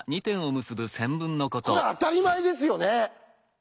これあたりまえですよね？